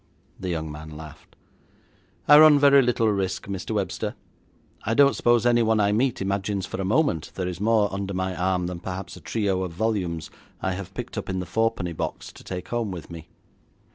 The young man laughed. 'I run very little risk, Mr. Webster. I don't suppose anyone I meet imagines for a moment there is more under my arm than perhaps a trio of volumes I have picked up in the fourpenny box to take home with me.'